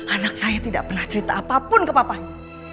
anak saya tidak pernah cerita apapun ke papanya